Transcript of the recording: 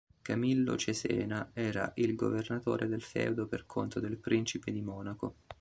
Camillo Cesena era il Governatore del feudo per conto del Principe di Monaco.